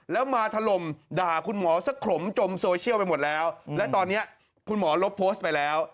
แล้วมาถล่มด่าคุณหมอสักขลมจมโซเชียลไปหมดแล้วและตอนนี้คุณหมอลบโพสต์ไปแล้ว